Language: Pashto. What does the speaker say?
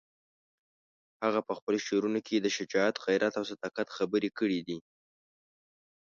هغه په خپلو شعرونو کې د شجاعت، غیرت او صداقت خبرې کړې دي.